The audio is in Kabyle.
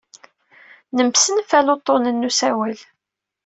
Nemsenfal uḍḍunen n usawal.